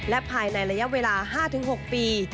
และภายในระยะเวลา๕๖ปี